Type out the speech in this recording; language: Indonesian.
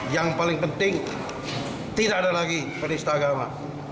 yang paling penting tidak ada lagi penistagama